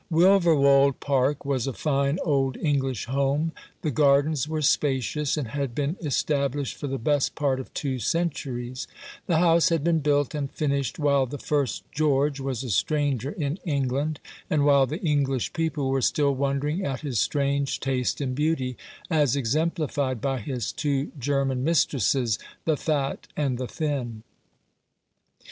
Wilverwold Park was a fine old English home. The gardens were spacious, and had been estab lished for the best part of two centuries. The 285 Rough Justice. house had been built and finished while the first George was a stranger in England, and while the English people were still wondering at his strange taste in beauty, as exemplified by his two German mistresses, the fat and the thin.